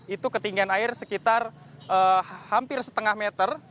itu ketinggian air sekitar hampir setengah meter